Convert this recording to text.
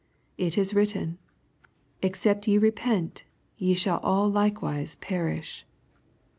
It is written, " Except ye repent, ye shall all likewise perish.'